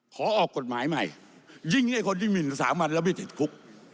ขอออกกฎหมายใหม่ยิ้งไอคนที่มีสามรันแล้วไม่เจ็ดคุก